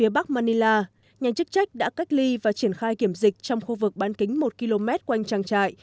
phía bắc manila nhà chức trách đã cách ly và triển khai kiểm dịch trong khu vực bán kính một km quanh trang trại